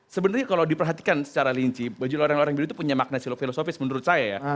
sebenarnya kalau diperhatikan secara linci baju loreng loreng biru itu punya makna filosofis menurut saya ya